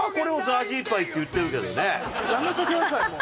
やめてくださいもう。